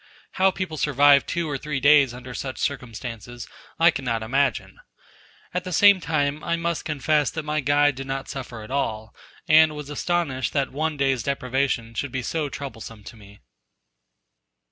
How people survive two or three days under such circumstances, I cannot imagine: at the same time, I must confess that my guide did not suffer at all, and was astonished that one day's deprivation should be so troublesome to me.